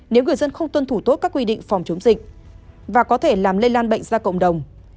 nếu người dân không tuân thủ tốt các quy định phòng chống dịch và có thể làm lây lan bệnh ra cộng đồng